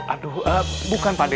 aduh eh bukan pak d